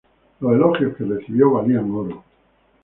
Los elogios que recibió valían oro.